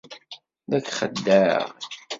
La k-txeddeɛ!